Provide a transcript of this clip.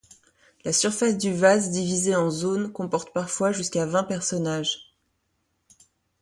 La surface du vase, divisée en zones, comporte parfois jusqu'à vingt personnages.